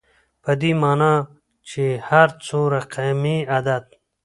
په دې معني چي هر څو رقمي عدد